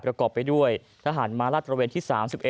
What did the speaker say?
ประกอบไปด้วยทหารม้าลาดตระเวนที่๓๑